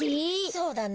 そうだな。